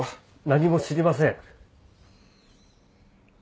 何も知りません。